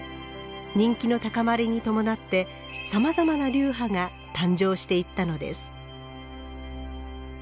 人気の高まりに伴ってさまざまな流派が誕生していったのです。